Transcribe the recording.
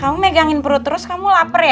kamu megangin perut terus kamu lapar ya